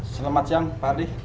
selamat siang pak ardi